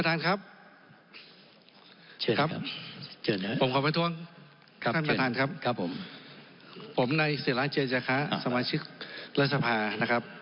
ท่านคิดว่าเหมาะสมนะครับ